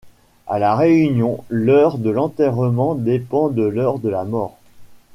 A La Réunion, l'heure de l'enterrement dépend de l'heure de la mort.